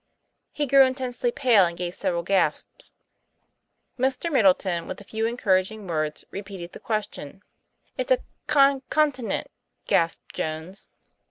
He grew intensely pale and gave several gasps. Mr. Middleton, with a few encouraging words, repeated the question. "It's a con continent," gasped Jones.